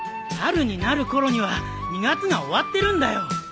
春になるころには２月が終わってるんだよ！